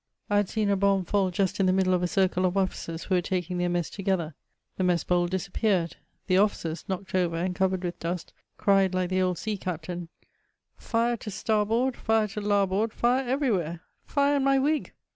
I had seen a bomb £Edl just in the middle of a circle of officers who were taking their mess together ; the mess bowl disappeared ; the officers, knocked over and covered with dust, cried fike the old sea captain, '< Fire to starboard, fire to larboard, fire every where ! fire in my wig